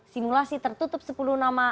simulasi tertutup sepuluh nama